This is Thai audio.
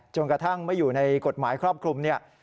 จนกระทั่งไม่อยู่ในกฎหมายครอบคลุมเนี่ย